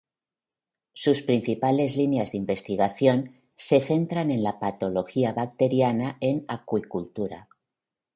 Sus principales líneas de investigación se centran en la patología bacteriana en Acuicultura.